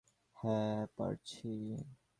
হ্যাঁ, পারছি।